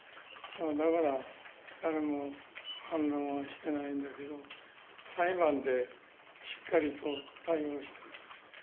だから誰も反論はしてないんだけども、裁判でしっかりと対応していく。